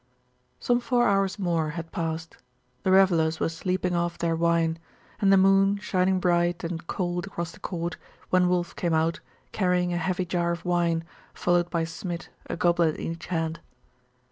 Some four hours more had passed. The revellers were sleeping off their wine, and the moon shining bright and cold across the court, when Wulf came out, carrying a heavy jar of wine, followed by Smid, a goblet in each hand.